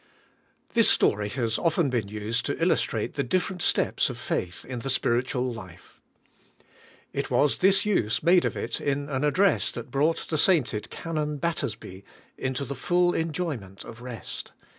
This story has often been used to illustrate the different steps of faith in the spiritual life. It was this use made of it in an address that brought the sainted Canon Battersby into the full enjoyment of rest.